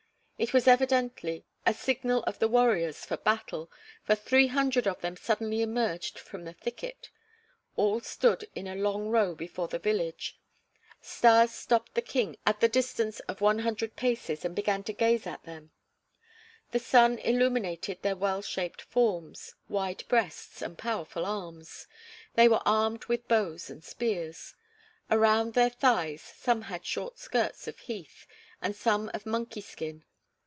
It was evidently a signal of the warriors for battle, for three hundred of them suddenly emerged from the thicket. All stood in a long row before the village. Stas stopped the King at the distance of one hundred paces and began to gaze at them. The sun illuminated their well shaped forms, wide breasts, and powerful arms. They were armed with bows and spears. Around their thighs some had short skirts of heath, and some of monkey skin.